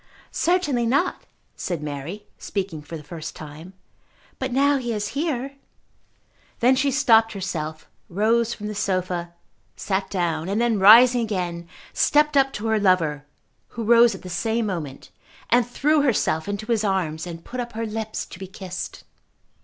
"Certainly not," said Mary, speaking for the first time. "But now he is here " Then she stopped herself, rose from the sofa, sat down, and then rising again, stepped up to her lover, who rose at the same moment, and threw herself into his arms and put up her lips to be kissed.